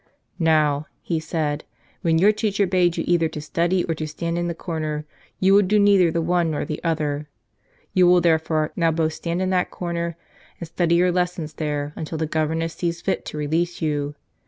"Now," he said, "when your teacher bade you either to study or to stand in the corner you would do neither the one nor the other. You will, therefore, now both stand in that corner and study your lessons there, until the governess sees fit to release you.